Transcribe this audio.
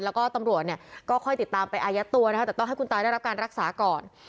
แล้วก็ตำรวจเนี่ยก็ค่อยติดตามไปอายัดตัวนะคะแต่ต้องให้คุณตายได้รับการรักษาก่อน